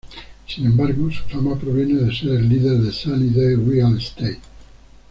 Sin embargo, su fama proviene de ser el líder de Sunny Day Real Estate.